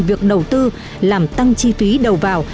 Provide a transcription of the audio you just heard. việc đầu tư làm tăng chi phí đầu vào